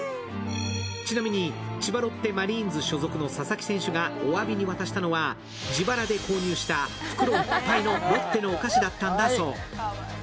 ちなみに千葉ロッテマリーンズ所属の佐々木選手がおわびに渡したのは自腹で購入した袋いっぱいのロッテのお菓子だったんだそう。